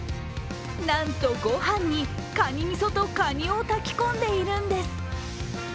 なんと、ご飯に蟹みそと蟹を炊き込んでいるんです。